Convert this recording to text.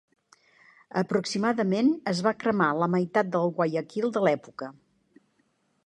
Aproximadament, es va cremar la meitat del Guayaquil de l'època.